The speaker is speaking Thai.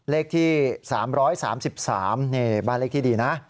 เลขที่๓๓นี่บ้านเลขที่ดีนะ